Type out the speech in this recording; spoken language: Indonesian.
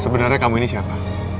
sebenarnya kamu ini siapa